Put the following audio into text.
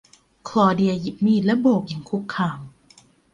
คลอเดียหยิบมีดและโบกอย่างคุกคาม